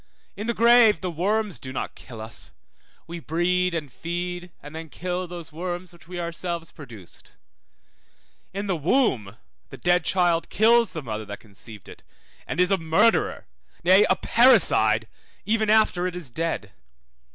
In the grave the worms do not kill us; we breed, and feed, and then kill those worms which we ourselves produced. In the womb the dead child kills the mother that conceived it, and is a murderer, nay, a parricide, even after it is dead.